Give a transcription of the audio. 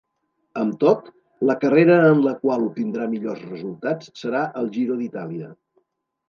Amb tot, la carrera en la qual obtindrà millors resultats serà el Giro d'Itàlia.